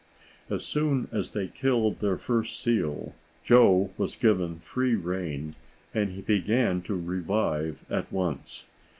As soon as they killed their first seal Joe was given free rein, and he began to revive at once.